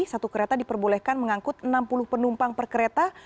satu kereta diperbolehkan mengangkut enam puluh penumpang per kereta